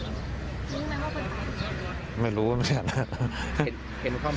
มีแม่งว่าเป็นอะไรไหมครับไม่รู้ว่าเป็นอะไรครับ